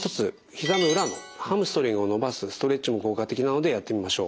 ひざの裏のハムストリングを伸ばすストレッチも効果的なのでやってみましょう。